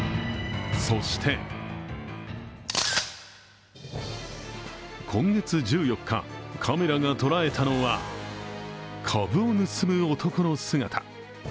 そして今月１４日、カメラが捉えたのは株を盗む男の姿。